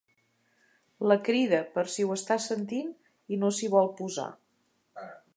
La crida, per si ho està sentint i no s'hi vol posar.